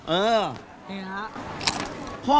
เออนี่ครับ